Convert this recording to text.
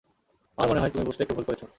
আমার মনে হয় তুমি বুঝতে একটু ভুল করেছো।